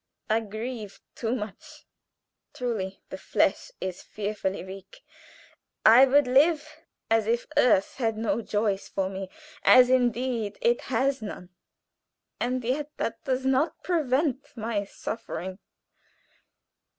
I grieve too much. Truly the flesh is fearfully weak. I would live as if earth had no joys for me as indeed it has none and yet that does not prevent my suffering.